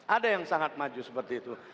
ada yang sangat maju seperti itu